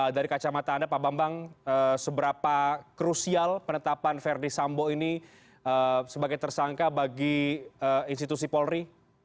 dari kacamata anda pak bambang seberapa krusial penetapan verdi sambo ini sebagai tersangka bagi institusi polri